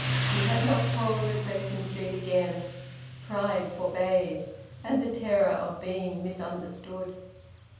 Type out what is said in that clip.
He had not called at Preston Street again. Pride forbade, and the terror of being misunderstood.